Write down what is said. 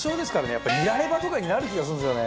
やっぱりニラレバとかになる気がするんですよね。